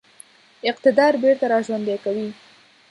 اقتدار بیرته را ژوندی کوي.